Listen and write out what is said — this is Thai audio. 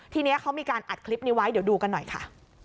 ทีนี้เขามีการอัดคลิปนี้ไว้เดี๋ยวดูกันหน่อยค่ะ